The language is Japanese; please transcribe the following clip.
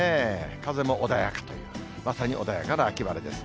風も穏やかという、まさに穏やかな秋晴れです。